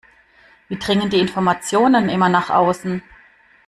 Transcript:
Wie dringen die Informationen immer nach außen?